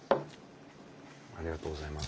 ありがとうございます。